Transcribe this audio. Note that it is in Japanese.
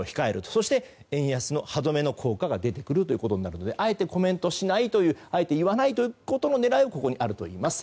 そして、円安の歯止めの効果が出てくるということなのであえてコメントしないという言わないということの狙いはここにあるといいます。